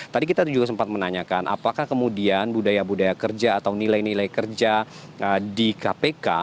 tadi kita juga sempat menanyakan apakah kemudian budaya budaya kerja atau nilai nilai kerja di kpk